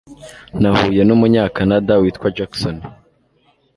Nahuye numunyakanada witwa Jackson.